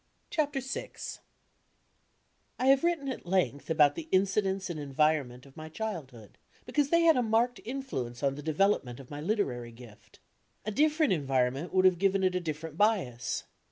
Google SIX I have written at length about the incidents and environment of my childhood be cause they had a marked influence on the development of my literary gift. A different environment would have given it a different bias.